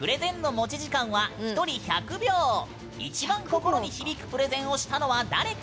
一番心に響くプレゼンをしたのは誰か？